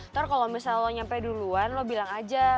ntar kalau misalnya lo nyampe duluan lo bilang aja